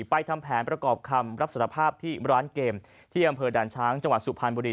ทำแผนประกอบคำรับสารภาพที่ร้านเกมที่อำเภอด่านช้างจังหวัดสุพรรณบุรี